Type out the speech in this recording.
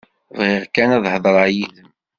Bɣiɣ kan ad hedreɣ yid-m.